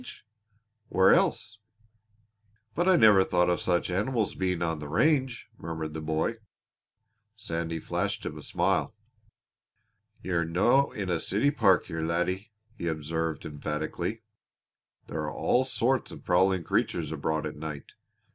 cried Donald. "Where else?" "But I never thought of such animals being on the range!" murmured the boy. Sandy flashed him a smile. "You're no in a city park here, laddie," he observed emphatically. "There are all sorts of prowling creatures abroad at night.